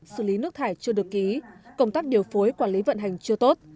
xử lý nước thải chưa được ký công tác điều phối quản lý vận hành chưa tốt